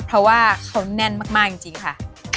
เพราะว่าเขาแน่นมากจริงค่ะ